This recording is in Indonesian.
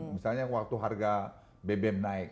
misalnya waktu harga bbm naik